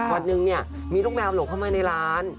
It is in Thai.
วันหนึ่งเนี่ยมีลูกแมวหลบเข้ามาในร้าน